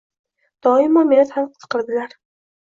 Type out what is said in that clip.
Doimo meni tanqid qiladilar.